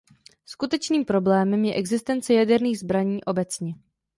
Skutečným problémem je existence jaderných zbraní obecně.